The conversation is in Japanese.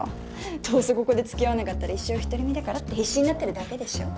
どうせここで付き合わなかったら一生独り身だからって必死になってるだけでしょ？